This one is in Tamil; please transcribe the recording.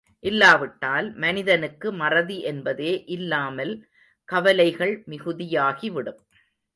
இல்லாவிட்டால் மனிதனுக்கு மறதி என்பதே இல்லாமல் கவலைகள் மிகுதியாகிவிடும்.